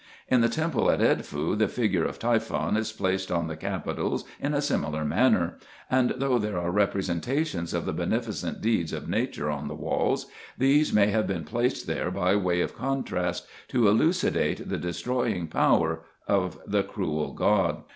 In the temple at Edfu the figure of Typhon is placed on the capitals in a similar manner ; and though there are representations of the beneficent deeds of nature on the walls, these may have been placed there by way of contrast, to elucidate the destroying power of the cruel god.